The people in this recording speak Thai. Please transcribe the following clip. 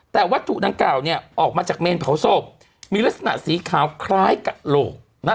แต่วัตถุดังกล่าวออกมาจากเมนเผาศพมีลักษณะสีขาวคล้ายกระโหลก